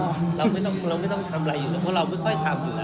เราไม่ต้องทำอะไรเพราะเราไม่ค่อยทำอยู่เนะคะ